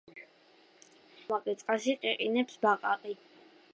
გაბერილი და ამაყი წყალში ყიყინებს ბაყაყი.